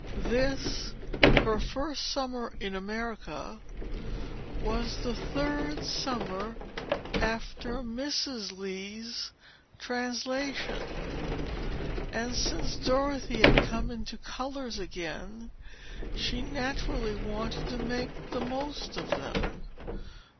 This, her first summer in America, was the third summer after Mrs. Lee's translation; and since Dorothy had come into colors again she naturally wanted to make the most of them.